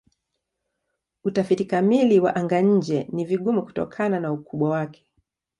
Utafiti kamili wa anga-nje ni vigumu kutokana na ukubwa wake.